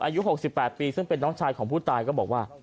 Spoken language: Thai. อายุ๖๘ปีซึ่งเป็นน้องชายของผู้ตายก็บอกว่า